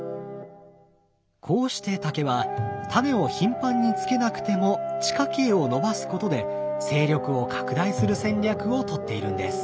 こうして竹はタネを頻繁につけなくても地下茎を伸ばすことで勢力を拡大する戦略を取っているんです。